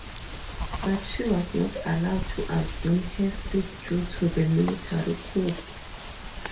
But she was not allowed to assume her seat due to the military coup.